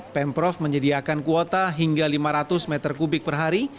pemprov menyediakan kuota hingga lima ratus meter kubik per hari